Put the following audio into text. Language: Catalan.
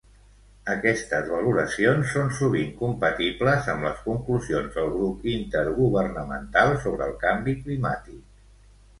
Aquestes valoracions són sovint compatible amb les conclusions del Grup Intergovernamental sobre el Canvi Climàtic.